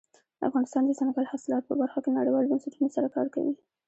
افغانستان د دځنګل حاصلات په برخه کې نړیوالو بنسټونو سره کار کوي.